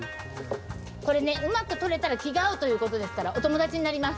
これうまく取れたら気が合うということですからお友達になります。